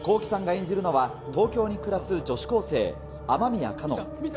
Ｋｏｋｉ，さんが演じるのは、東京に暮らす女子高生、雨宮奏音。